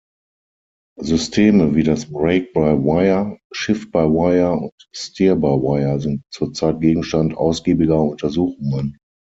Systeme wie das Brake-by-Wire, Shift-by-wire und Steer-by-wire sind zurzeit Gegenstand ausgiebiger Untersuchungen.